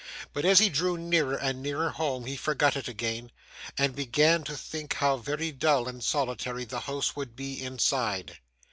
But as he drew nearer and nearer home he forgot it again, and began to think how very dull and solitary the house would be inside.